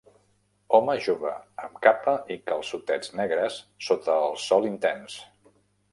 Home jove amb capa i calçotets negres sota el sol intens.